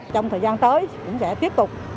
trong thời gian tới cũng sẽ tiếp tục